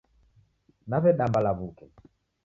Naw'edamba law'uke